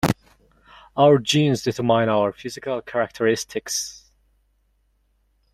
Our genes determine our physical characteristics.